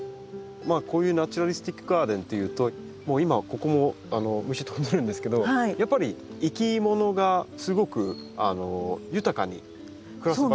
こういうナチュラリスティック・ガーデンっていうともう今ここも虫飛んでるんですけどやっぱり生き物がすごく豊かに暮らす場所でもあるんだなと。